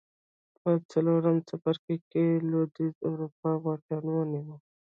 په څلورم څپرکي کې لوېدیځې اروپا واټن ونیو